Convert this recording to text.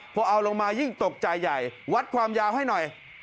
พอเอาลงมายิ่งตกใจใหญ่วัดความยาวให้หน่อย